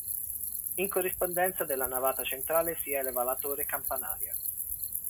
In corrispondenza della navata centrale si eleva la torre campanaria.